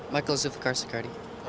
michael zulfikar soekardi